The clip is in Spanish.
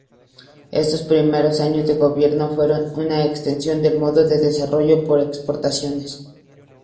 Estos primeros años de gobierno fueron una extensión del modelo de desarrollo por exportaciones.